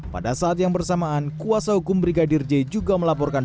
pada saat yang bersamaan kuasa hukum brigadir j juga melaporkan